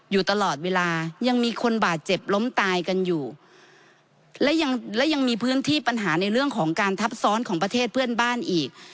อยู่ตลอดเวลายังมีคนบาดเจ็บล้มตายกันอยู่และยังและยังมีพื้นที่ปัญหาในเรื่องของการทับซ้อนของประเทศเพื่อนบ้านอีก